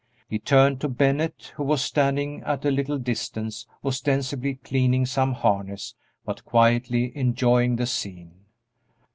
He turned to Bennett, who was standing at a little distance, ostensibly cleaning some harness, but quietly enjoying the scene.